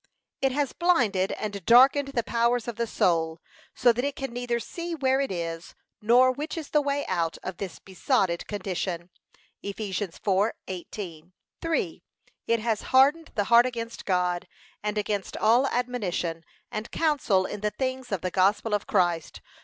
It has blinded and darkened the powers of the soul, so that it can neither see where it is, nor which is the way out of this besotted condition. (Eph. 4:18) 3. It has hardened the heart against God, and against all admonition and counsel in the things of the gospel of Christ.